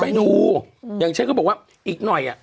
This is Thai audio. ไปดูอย่างเช่นก็บอกว่าอีกหน่อยอ่ะ